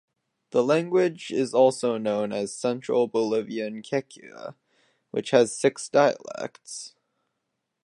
The language is also known as Central Bolivian Quechua, which has six dialects.